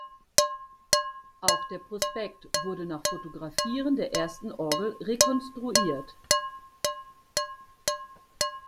Auch der Prospekt wurde nach Fotografien der ersten Orgel rekonstruiert.